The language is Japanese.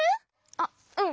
あっうん。